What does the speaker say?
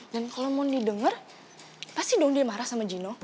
dan kalo mundi denger pasti dong dia marah sama jino